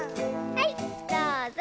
はいどうぞ。